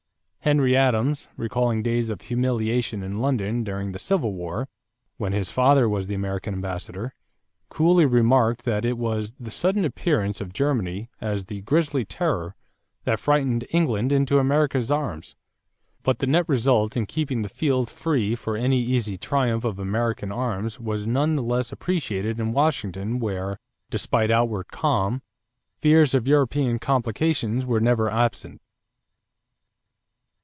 Henry Adams, recalling days of humiliation in London during the Civil War, when his father was the American ambassador, coolly remarked that it was "the sudden appearance of Germany as the grizzly terror" that "frightened England into America's arms"; but the net result in keeping the field free for an easy triumph of American arms was none the less appreciated in Washington where, despite outward calm, fears of European complications were never absent.